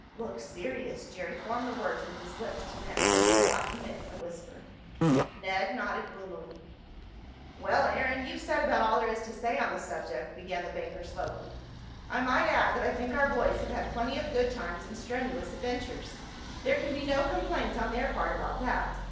"Looks serious," Jerry formed the words with his lips to Ned, but did not emit a whisper. Ned nodded gloomily. "Well, Aaron, you've said about all there is to say on the subject," began the banker slowly. "I might add that I think our boys have had plenty of good times and strenuous adventures. There can be no complaint on their part about that.